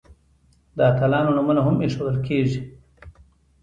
د اتلانو نومونه هم ایښودل کیږي.